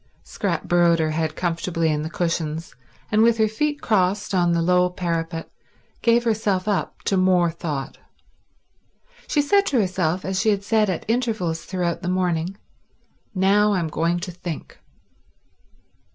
Scrap burrowed her head comfortably in the cushions, and with her feet crossed on the low parapet gave herself up to more thought. She said to herself, as she had said at intervals throughout the morning: Now I'm going to think.